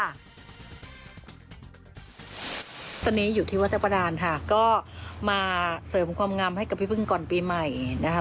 ตอนนี้อยู่ที่วัชประดานค่ะก็มาเสริมความงามให้กับพี่พึ่งก่อนปีใหม่นะคะ